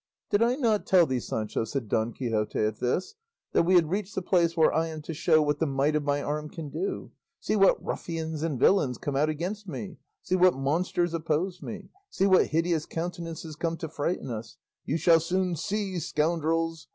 "Did I not tell thee, Sancho," said Don Quixote at this, "that we had reached the place where I am to show what the might of my arm can do? See what ruffians and villains come out against me; see what monsters oppose me; see what hideous countenances come to frighten us! You shall soon see, scoundrels!"